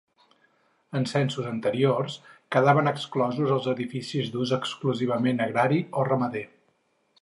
En censos anteriors quedaven exclosos els edificis d'ús exclusivament agrari o ramader.